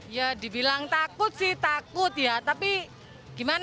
ya dibilang takut sih takut ya